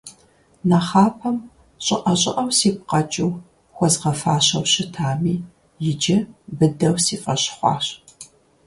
Нэхъапэм щӀыӀэ-щӀыӀэу сигу къэкӀыу, хуэзгъэфащэу щытами, иджы быдэу си фӀэщ хъуащ.